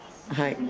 はい。